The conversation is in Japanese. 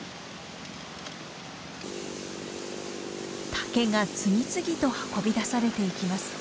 竹が次々と運び出されていきます。